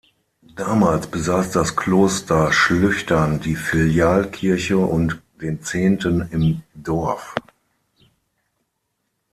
Damals besaß das Kloster Schlüchtern die Filialkirche und den Zehnten im Dorf.